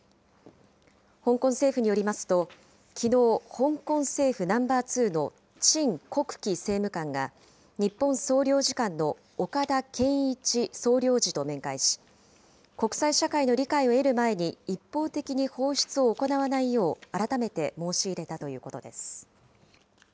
香港政府によりますと、きのう、香港政府ナンバー２の陳国基政務官が、日本総領事館の岡田健一総領事と面会し、国際社会の理解を得る前に一方的に放出を行わないよう改めて申し入れたということです。